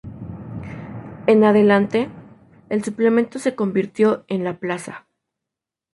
En adelante, el suplemento se convirtió en "La Plaza.